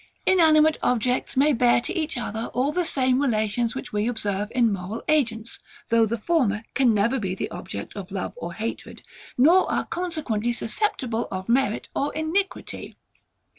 Inanimate objects may bear to each other all the same relations which we observe in moral agents; though the former can never be the object of love or hatred, nor are consequently susceptible of merit or iniquity.